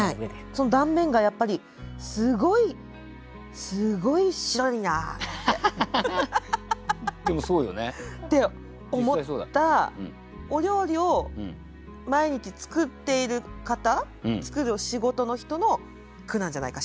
その断面がやっぱりでもそうよね。って思ったお料理を毎日作っている方作る仕事の人の句なんじゃないかしら。